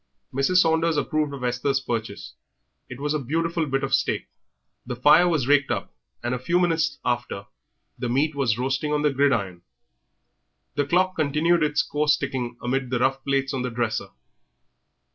Mrs. Saunders approved of Esther's purchase; it was a beautiful bit of steak. The fire was raked up, and a few minutes after the meat was roasting on the gridiron. The clock continued its coarse ticking amid the rough plates on the dresser.